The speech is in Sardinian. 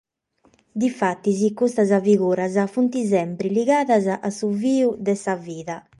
Difatis custas figuras sunt semper ligadas a su filu de sa bida.